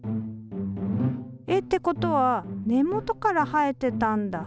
えってことは根元から生えてたんだ！